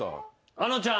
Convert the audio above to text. あのちゃん。